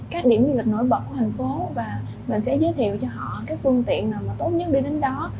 các điểm du lịch nổi bật của tp hcm và mình sẽ giới thiệu cho họ các phương tiện tốt nhất đi đến đó